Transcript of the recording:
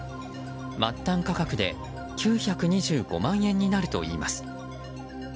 末端価格で９２５万円になるといいます。